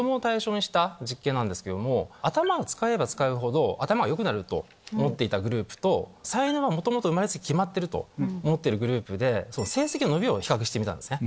頭を使えば使うほど頭が良くなると思っていたグループと才能は元々生まれつき決まってると思ってるグループで成績の伸びを比較してみたんですね。